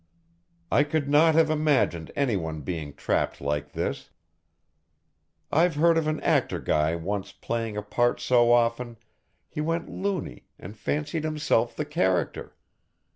I could not have imagined anyone being trapped like this I've heard of an actor guy once playing a part so often he went loony and fancied himself the character.